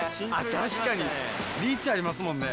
確かにリーチありますもんね。